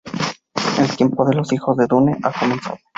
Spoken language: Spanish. El tiempo de los Hijos de Dune ha comenzado.